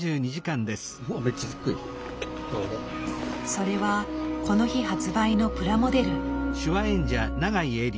それはこの日発売のプラモデル。